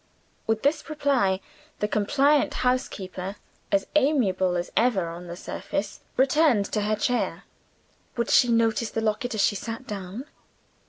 With this reply, the compliant housekeeper as amiable as ever on the surface returned to her chair. Would she notice the locket as she sat down?